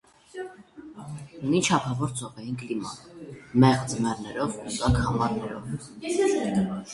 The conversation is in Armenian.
Ունի չափավոր ծովային կլիմա՝ մեղմ ձմեռներով ու տաք ամառներով։